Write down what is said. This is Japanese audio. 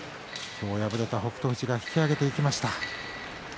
今日敗れた北勝富士が引き揚げていきます。